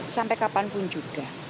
sampai kapanpun juga